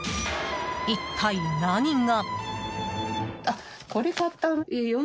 一体、何が？